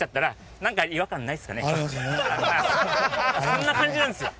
そんな感じなんですよ。